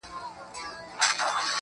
پښتون په دمره نعمتونو کي نهر پروت ده